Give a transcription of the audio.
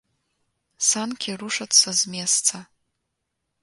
Санкі рушацца з месца.